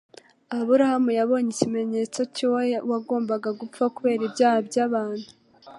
Aburahamu yabonye ikimenyetso cy'uwo wagombaga gupfa kubera ibyaha by'abantu.